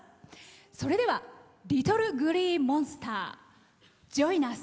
それではＬｉｔｔｌｅＧｌｅｅＭｏｎｓｔｅｒ「ＪｏｉｎＵｓ！」。